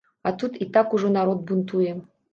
А тут і так ужо народ бунтуе.